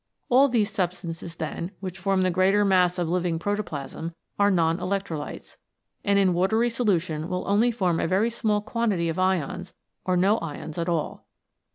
All these substances, then, which form the greater mass of living protoplasm are non electrolytes, and in watery solution will only form a very small quantity of ions or no ions at all.